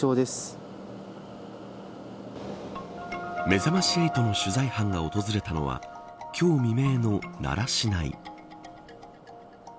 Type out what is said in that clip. めざまし８の取材班が訪れたのは今日未明の奈良市内。